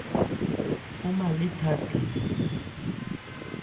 Ɔ́n mâ lé tha cɔn.